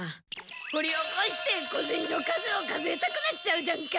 ほりおこして小ゼニの数を数えたくなっちゃうじゃんか！